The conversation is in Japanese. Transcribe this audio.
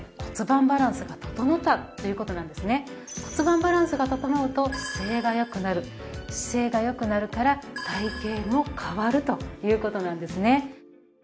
骨盤バランスが整うと姿勢が良くなる姿勢が良くなるから体形も変わるという事なんですね。